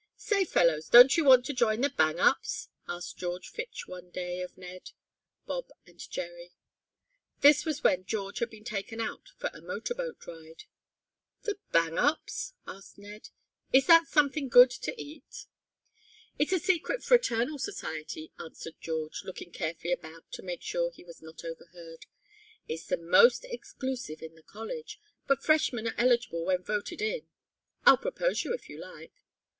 "Say, fellows, don't you want to join the Bang Ups?" asked George Fitch one day of Ned, Bob and Jerry. This was when George had been taken out for a motor boat ride. "The Bang Ups?" asked Ned. "Is that something good to eat?" "It's a secret fraternal society," answered George, looking carefully about to make sure he was not overheard. "It's the most exclusive in the college, but freshmen are eligible when voted in. I'll propose you if you like."